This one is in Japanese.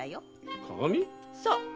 そう！